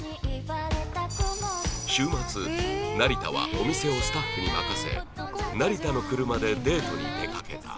週末成田はお店をスタッフに任せ成田の車でデートに出かけた